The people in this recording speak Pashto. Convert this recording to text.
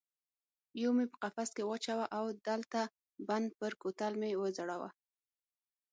یو مې په قفس کې واچاوه او د لته بند پر کوتل مې وځړاوه.